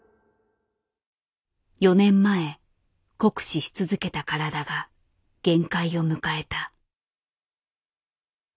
４年前酷使し続けた体が限界を迎えた。